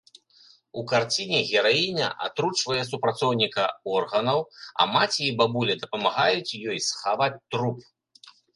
У карціне гераіня атручвае супрацоўніка органаў, а маці і бабуля дапамагаюць ёй схаваць труп.